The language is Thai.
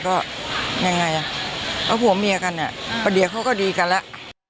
เพราะผัวเมียกันเดี๋ยวเขาก็ดีกันแล้ว